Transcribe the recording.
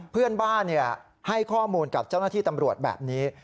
เพื่อนบ้านให้ข้อมูลกับเจ้าหน้าที่ตำรวจแบบนี้